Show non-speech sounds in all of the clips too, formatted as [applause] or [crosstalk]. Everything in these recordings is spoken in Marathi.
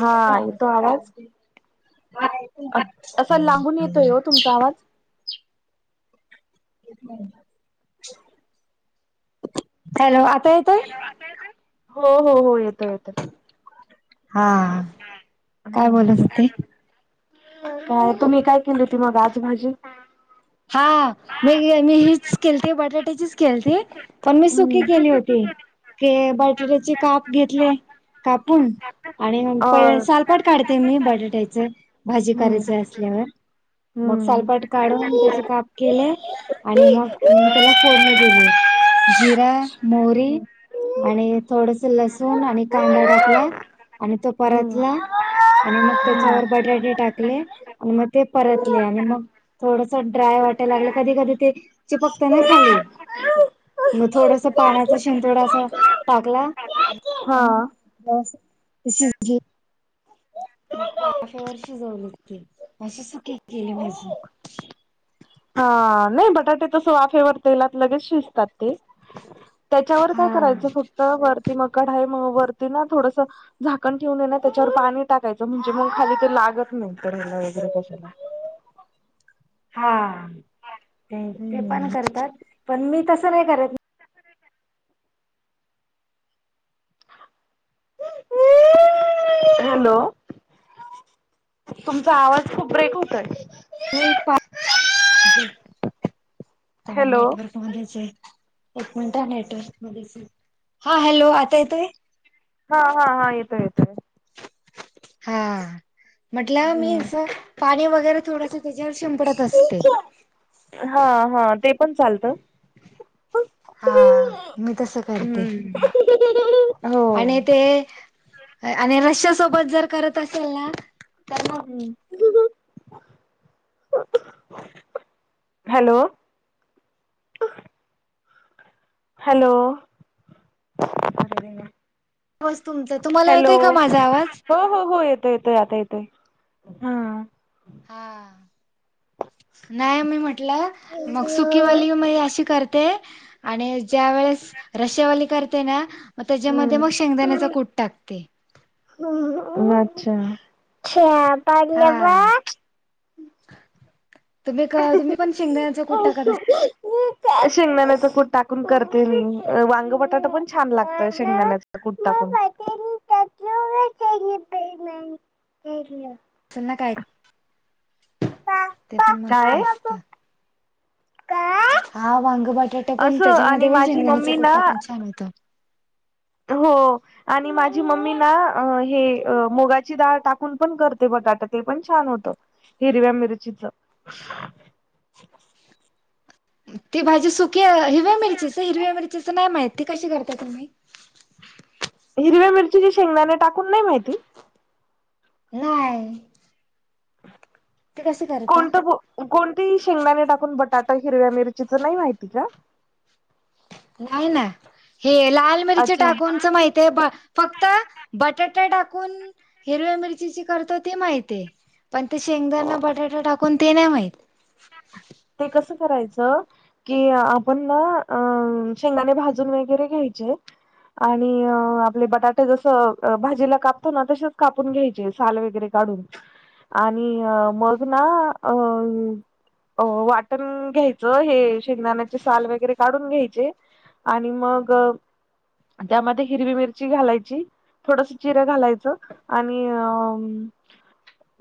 हा येतों आवाज. नाहीं. असं लांबून येतोय हो तुमचा आवाज. हॅलो आता येतोय. हो हो हो येतो येतो. हा.. काय बोलत होते? ह् तुम्ही काय केली होती मग आाज भाजी? हा मी मी हीच केलती बटाट्याचीच केलती. पण मी सुकी केली होती तें बटाट्याचे काप घेतले कापून. आणि अ पहि साल पण काढते मी बटाट्यायचे भाजी हम्म. करायचे असल्यावर. मग हम्म. सालपाट काढून.. त्याचे काप केले आणि मग मी त्याला फोडणी दिली. जिरा मोहरी.. आणि थोडस लसूण आणि कांदा टाकला आणि तो हम्म परतला. आणि मग त्याच्यावर बटाटे टाकले आणि मग ते परतले आणि मग थोड... ड्राय वाटयला लागल कधी कधी ते चिपकत ना खाली. मग थोडस पाण्याचा शिंतोडा असा टाकला.. हा [unintelligible] मंग वाफेवर शिजवली ती, अशी सुक्की केली भाजी. रिकामा ऑडिओ हा नाही बटाटे तस वाफेवर तेलात लगेच शिजतात ते त्याच्यावर काय हा करायचं फक्त वरती मकड आहे वरती ना थोडस झाकण ठेवून ये ना त्याच्यावर पाणी टाकायचं म्हणजे मग खाली ते लागत नाही तरला वगैरे कशाला हा ते ते हम्म पण करतात पण मी तसं नाही करत हॅलो तुमचा आवाज खूप ब्रेक होतय हॅलो नेटवर्क [unintelligible] मध्येच आहे एक मिनट नेटवर्क मध्ये हा हॅलो आता येतोय हा हा हा येतो येतोय हा म्हटलं मी हम्म पाणी वगैरे थोडस त्याच्यावर शिंपडत असते हा हा ते पण चालत हा मी तस करते हो आणि ते आणि रश्या सोबत जर करत असेल ना तर मग हं हं हं. हॅलो हॅलो आवाज तुमचा तुम्हाला हॅलो येतोय का माझा आवाज? हो हो हो येतो येतो आता येतो हा हा नाही मी म्हटलं मग सुकीवाली मी अशी करते ते आणि ज्या वेळेस रशेवाली करते ना मग त्याच्यामध्ये हम्म मग शेंगदाण्याचा कूट टाकते अच्छा घ्या पाडल हा बघ [unintelligible] तुम्ही का तुम्ही पण शेंगदाचा कुठ टाकत अस शेंगदाण्याच कूट टाकून करते मी वांग बटाटा पण छान लागत शेंगदाण्याच तू कुट टाकून [unintelligible] चना काय पा ते पापा पण मस्त काय आ असतं. काय हा वांग बटाटा पण त्याच्यामध्ये पण माझी शेंगण्याचा मम्मी कूट ना टाकून छान होता हो आणि माझी मम्मी ना हे मुगाची डाळ टाकून पण करते बटाटा ते पण छान होतं हिरव्या मिरचीच हह़ [unintelligible] ती भाजी सुकी हिरव्या मिरचीच हिरव्या मिरचीचं नाही माहित कशी करताय तुम्ही हिरव्या मिरचीची शेंगदाने टाकून नाही माहिती नाही ते कसे करता? कोणतं कोणती शेंगदाणे टाकून बटाटा हिरव्या मिरचीच नाही माहिती का नाही ना हे लाल मिरच्या अच्छा टाकूनचं माहीती हे पा फक्त बटाटा टाकून हिरव्या मिरचीची करतो ती माहित हे पण ते शेंगदाणा बटाटा टाकून ते नाही माहीत ते कसं करायचं कि आपण ना अ शेंगदाणे भाजून वगैरे घ्यायचे आणि आपले बटाटे जस भाजीला कापतो ना तसेच कापून घ्यायचे साल वगैरे काढून आणि मग ना अ अ वाटण घ्यायचं हे शेंगदाण्याचे साल वगैरे काढून घ्यायचे आणि मग त्यामध्ये हिरवी मिरची घालायची थोडस जीरं घालायचं आणि अ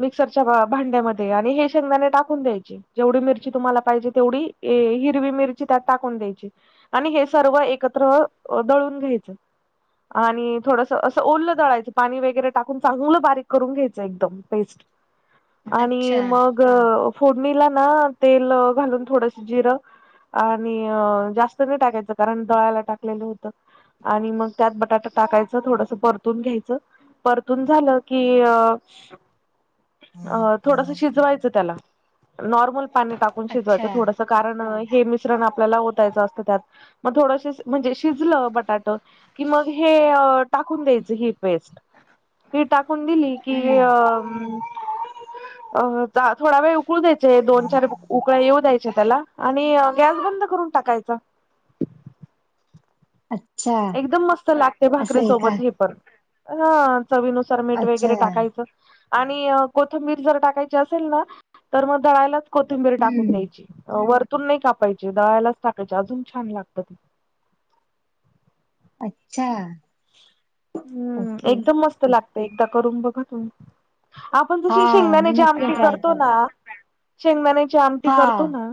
मिक्सरच्या भांड्यामध्ये आणि हे शेंगदाने टाकून द्यायची जेवढी मिरची तुम्हाला पाहिजे तेवढी ए हिरवी मिरची त्यात टाकून द्यायची आणि हे सर्व एकत्र दळून घ्यायचं आणि थोडस असं ओलं दळायचं पाणी वगैरे टाकून चांगलं बारीक करून घ्यायचं एकदम पेस्ट आणि अच्छा मग फोडणीला ना तेल घालून थोडस जिरं आणि जास्त नाही टाकायचं, कारण दळ्याला टाकलेलं होतं. आणि मग त्यात बटाटा टाकायचं थोडस परतून घ्यायचं परतून झालं की, अ अ थोडस शिजवायचं त्याला. नॉर्मल पाणी टाकून शिजवायचं अच्छा थोडसं कारण हे मिश्रण आपल्याला ओतायचं असतं त्यात. मग थोडंस म्हणजे शिजलं बटाटं कि मग हे टाकून द्यायच ही पेस्ट ही टाकून दिली कि हम्म. अ थोडा वेळ उकळू द्यायचं. दोन चार उकळ्या येऊ द्यायचे त्याला आणि गॅस बंद करून टाकायचा. अच्ा [unintelligible] एकदम मस्त लागते भाकरी का सोबत हे पण ह चवीनुसार मीठ अच्छा वगैरे टाकायचं. आणि कोथंबीर जर टाकायची असेल ना, तर मग दळायला कोथिंबीर टाकून हम्म. द्यायची, वरतून नाही कापायची दळ्यालाच टाकायची अजून छान लागत ते. अच्छा! हम्म, ओके एकदम मस्त लागत एकदा करून बघा तुम्ही. आपण हा जशी मी शेंगदाण्याची नक्की आमटी ट्राय करतो करेन. ना? शेंगदाण्याची आमटी हा करतो ना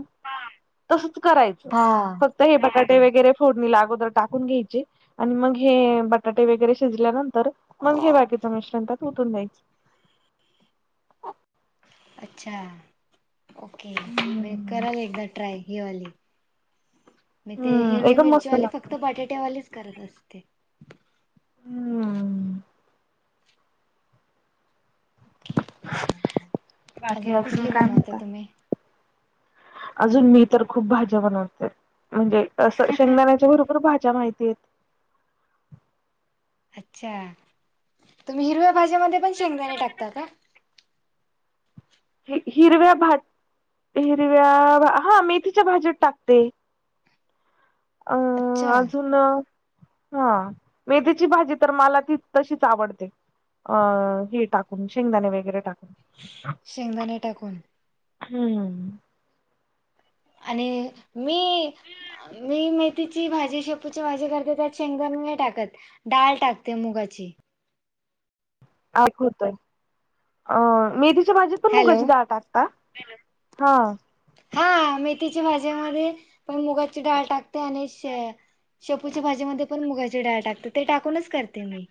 तसच करायचं. हा. फक्त हे बटाटे वगैरे फोडणीला अगोदर टाकून घ्यायची आणि मग हे बटाटे वगैरे शिजल्यानंतर मग हे बाकीचं मिश्रण त्यात उतून द्यायच. अच्छा! ओके म हम्म करल एकदा ट्राय. हे वाली, मी ते हम्म हिरवे एकदम मस्त मिरचीवाली लागत फक्त बटाट्यावालीच करत असते. हम्म. बाकी अजून कुठली काय बनवता म्हणता. तुम्ही? अजून मी तर खूप भाज्या बनवते म्हणजे अस शेंगदाण्याच्या भरपूर भाज्या माहिती आहेत. अच्छा! तुम्ही हिरव्या भाज्यामध्ये पण शेंगदाणे टाकता का? ह हिरव्या भा हिरव्या, हा मेथीच्या भाज्या टाकते. अं, अच्छा अजून हा मेथीची भाजी तर मला ती तशीच आवडते. अ हे टाकून, शेंगदाणे वगैरे टाकून. शेंगदाणे टाकून. हम्म. आणि, मी मी मेथीची भाजी, शेपूची भाजी, करते त्यात शेंगदाणे नाही टाकत. डाळ टाकते मुगाची. आ होतोय अ मेदीीच्या बाजीत पण हॅलो. मुगाची दाट असता [unintelligible] हा. हा, मेथीच्या भाजीमध्ये पण मुगाची डाळ टाकते आणि शेपूच्या भाजी मध्ये पण मुगाची डाळ टाकते, ते टाकूनच करते मी.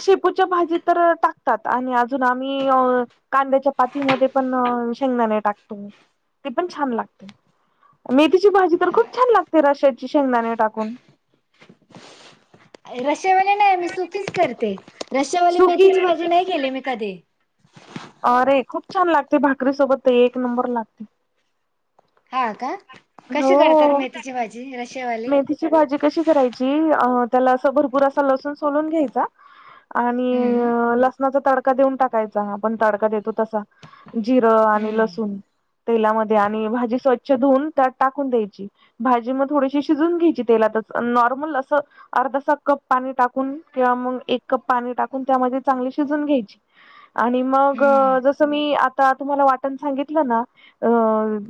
शेपूच्या भाजी तर टाकतात आणि अजून आम्ही अ कांद्याच्या पातीमध्ये पण शेंगदाणे टाकतो ते पण छान लागते. मेथीची भाजी तर खूप छान लागते रशाची शेंगदाणे टाकून. रश्यावाली नाही मी सुखीच करते रशावाली सुकी मेथीची भाजी नाही केली मी कधी. अरे खूप छान लागते भाकरी सोबत ते एक नंबर लागते. हा का, कशी करतात हो मेथीची भाजी रशवाली? मेथीची भाजी कशी करायची, त्याला अस भरपूर असा लसूण सोलून घ्यायचा हम्म आणि लसणाचा तडका देऊन टाकायचा आपण तडका देतो तसा. जिरं आणि हम्म लसूण तेलामध्ये, आणि भाजी स्वच्छ धुऊून त्यात टाकून द्यायची भाजी मग थोडीशी शिजून घ्यायची तेलात नॉर्मल असं अर्धसा कप पाणी टाकून किंवा मग एक कप पाणी टाकून त्यामध्ये चांगली शिजून घ्यायची. आणि मग हम्म जस. मी आता तुम्हाला वाटण सांगितलं ना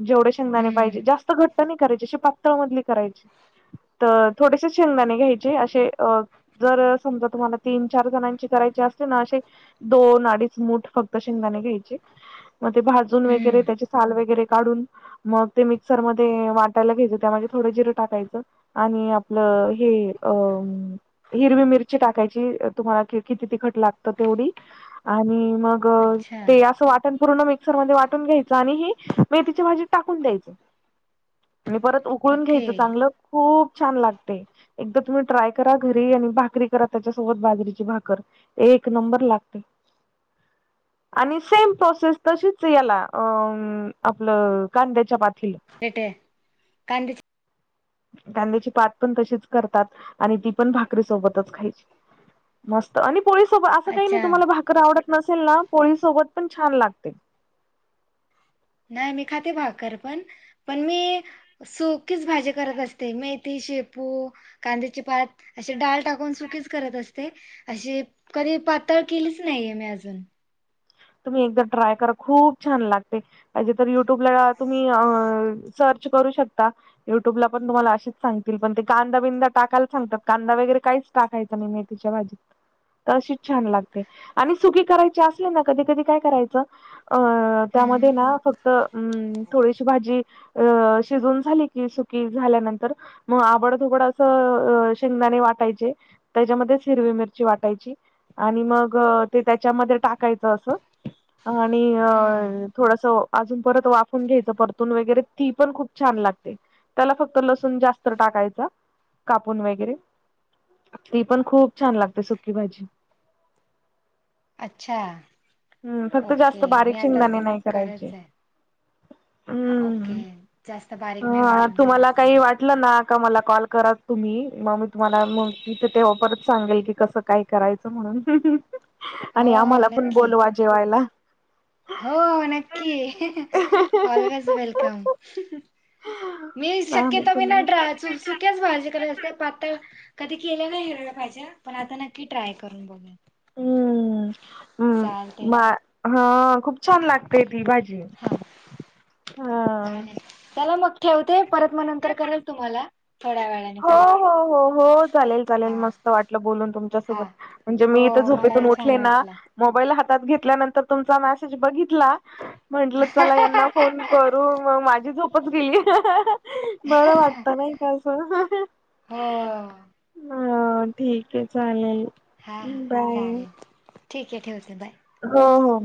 जेवढे शेंगदाने पहीजे हम्म जास्त करायची अशी पातळ मधली करायची तर थोडेसे शेंगदाणे घ्यायचे असे अ जर समजा तुम्हाला तीन चार जणांची करायची असते ना असे. दोन अडीच मूठ फक्त शेंगदाणे घ्यायचे. मग ते भाजून वगैरे हम्म त्याचे साल वगैरे काढून. मग ते मिक्सर मध्ये वाटायला घ्यायचे त्यामध्ये थोडं जिरं टाकायचं. आणि आपलं हे अ हिरवी मिरची टाकायची तुम्हाला किती तिखट लागतं तेवढी आणि मग अच्छा ते असं वाटण पूर्ण मिक्सर मध्ये वाटून घ्यायचं आणि ह मेथीच्या भाजीत टाकून द्यायचं. आणि परत उकळून ओके घ्यायचं चांगलं खूप छान लागते. एकदा तुम्ही ट्राय करा घरी आणि भाकरी करा त्याच्यासोबत बाजरीची भाकर. एक नंबर लागते. आणि सेम प्रोसेस तशीच याला अ आपलं कांद्याच्या पाथीला. तेटे कच [unintelligible] कांद्याची पात पण तशीच करतात आणि ती पण भाकरी सोबतच खायची. मस्त आणि पोळीसोबत असं काही नाही अच्छा तुम्हाला भाकरर आवडत नसेल ना पोळी सोबत पण छान लागते. नाही मी खाती भाकर पण पण मी. सोखीच भाजी करत असते मेथी शेपू. कांद्याचे पात असे डाळ टाकून सुकीच करत असते. अशी कधी पातळ केलीच नाहीये मी अजून. तुम्ही एकदा ट्राय करा खूप छान लागते पाहिजे तर यु यंटूब तुम्ही सर्च करू शकता. युट्यूबला पण तुम्हाला अच सांगतील पण ते कांदा बिंदा टाकायला सांगतात कांदा वगैरे काहीच टाकाय म मेथीच्या भाजी अशीच छान लागते आणि सुकी करायची अस कधी कधी काय करायचं अं हम्म त्यामध्ये ना फक्त अ थोडीशी भाजी. अ शिजून झाली कि सुकी झाल्यानंतर. मग आबड धोबडं असं शेंगदाणे वाटायचे. त्याच्यामध्ये हिरवी मिरची वाटायची आणि मग ते त्याच्यामध्ये टाकाय. आणि अ हम्म थोडस अजून परत वाफून घ्यायचं परतून वगैरे ती पण खूप छान लागते. त्याला फक्त लसूण जास्त टाकायचा कापून वगैरे. ती पण खूप छान लागते सुकी भाजी अच्छा. हम् फक्त ओके जास्त मी बारीक आता शिंगदाणे नाही करायचे. करायचं आहे हा ओके हम्म जास्त बारीक नाही हा वाटण करायच. तुम्हाला काही वाटलं ना का मला कॉल करा तुम्ही मग मी तुम्हाला मग तिथे तेव्हा परत सांगेल की कस काय करायचं म्हणून हो आणि हो आम्हाला पण नक्की बोलवा जेवायला. हो नक्की ऑलवेज वेलकम मी आम्ही शक्यतो मी पण नड च सुक्याच भाजी करात असते पातळ कधी केल्या का हिरवलं पाहिजे पण आता नक्की ट्राय करून बघ हम्मम् हा खूप छान लागतेय ती भाजी हा हा. चालेल चला मग ठेवते परत मग नंतर करल तुम्हाला. थोड्या वेळा हो हो हो हो चालेल चालेल हा मस्त वाटलं बोलून हा तुमच्यासोबत म्हणजे मी इथं हो झोपेतून मलाही छान उठले ना वाटलं मोबाईल हातात घेतल्यानंतर तुमचा मेसेज बघितला. म्हंटलं चला यांना फोन करून मग माझी झोपच गेली. बरं वाटत नाही का असं. हो. ह ठीक आहे चालेल हा बाय. चालेल ठीक आहे ठेवते बाय. हो हो.